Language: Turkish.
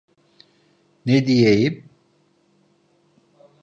Ne diyeyim?